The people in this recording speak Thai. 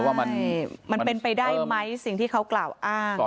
ว่ามันเป็นไปได้ไหมสิ่งที่เขากล่าวอ้าง